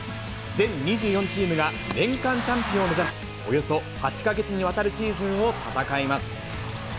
全２４チームが年間チャンピオンを目指し、およそ８か月にわたるシーズンを戦います。